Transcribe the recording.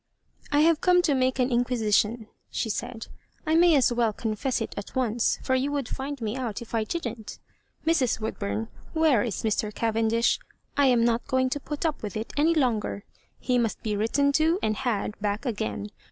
" I have come to make an inquisition," she said ;" I may as well confess it at once, for you would find me out if I didn't. Mrs. Woodbum, where is Mr. Cavendish ? I am not going to put up with it any longer. He must be written to, And had back again.